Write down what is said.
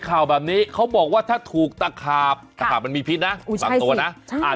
ข่าวแบบนี้เขาบอกว่าถ้าถูกตะขาบตะขาบมันมีพิษนะอุ้ยบางตัวนะใช่อ่า